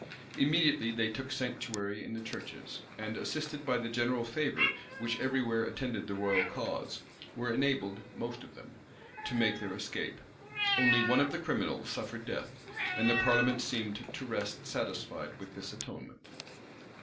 Immediately they took sanctuary in the churches; and, assisted by the general favor which every where attended the royal cause, were enabled, most of them, to make their escape. Only one of the criminals suffered death; and the parliament seemed to rest satisfied with this atonement.